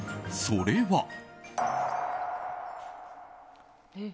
それは。